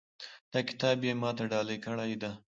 دا کتاب یې ما ته ډالۍ کړی ده